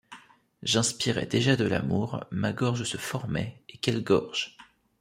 J’inspirais déjà de l’amour, ma gorge se formait, et quelle gorge !